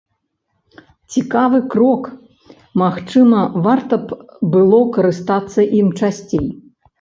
Цікавы крок, магчыма, варта б было карыстацца ім часцей.